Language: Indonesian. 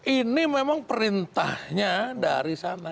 ini memang perintahnya dari sana